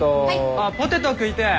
あっポテト食いてぇ。